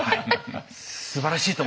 すばらしいと思います！